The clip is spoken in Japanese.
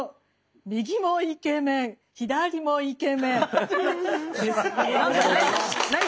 右もイケメン左もイケメン」です。